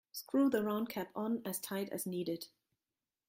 Screw the round cap on as tight as needed.